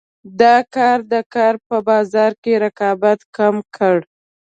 دا کار د کار په بازار کې رقابت کم کړ.